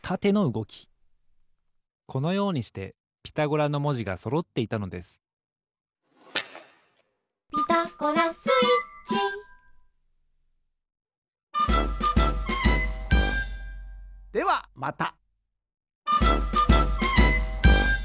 このようにしてピタゴラのもじがそろっていたのです「ピタゴラスイッチ」ではまた！